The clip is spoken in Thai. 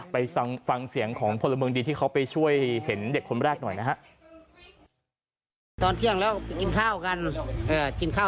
ไปฟังเสียงของพลเมืองดีที่เขาไปช่วยเห็นเด็กคนแรกหน่อยนะฮะ